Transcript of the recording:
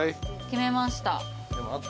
決めました。